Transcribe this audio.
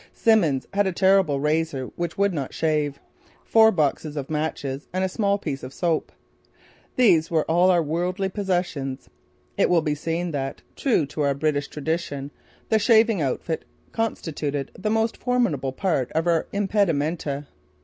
Simmons had a terrible razor which would not shave, four boxes of matches and a small piece of soap. These were all our worldly possessions. It will be seen that, true to our British tradition, the shaving outfit constituted the most formidable part of our impedimenta.